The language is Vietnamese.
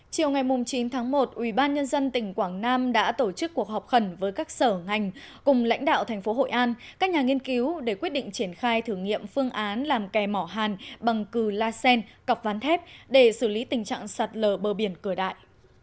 chiều ngày chín tháng một ubnd tỉnh quảng nam đã tổ chức cuộc họp khẩn với các sở ngành cùng lãnh đạo thành phố hội an các nhà nghiên cứu để quyết định triển khai thử nghiệm phương án làm kè mỏ hàn bằng cừ la sen cọc ván thép để xử lý tình trạng sạt lở bờ biển cửa đại